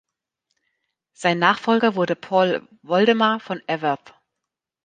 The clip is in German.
Sein Nachfolger wurde Paul Woldemar von Everth.